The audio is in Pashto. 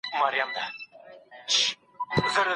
خپل ځان له هر ډول الودګۍ وساتئ.